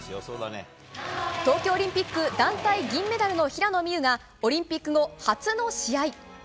東京オリンピック団体銀メダルの平野美宇がオリンピック後、初の試合。